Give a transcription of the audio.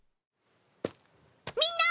みんな！